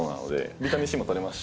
ビタミンＣもとれますし。